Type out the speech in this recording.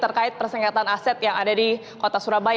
terkait persenngkatan aset yang ada di kota surabaya